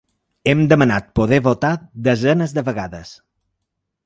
Hem demanat poder votar desenes de vegades.